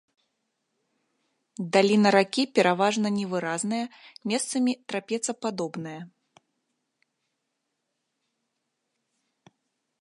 Даліна ракі пераважна невыразная, месцамі трапецападобная.